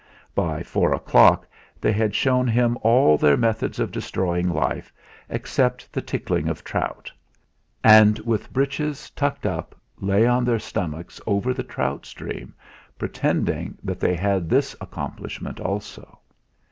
By four o'clock they had shown him all their methods of destroying life, except the tickling of trout; and with breeches tucked up, lay on their stomachs over the trout stream, pretending they had this accomplishment also.